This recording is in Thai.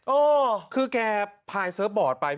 โอ้คือแกพาเขาเซิฟบอร์ดไป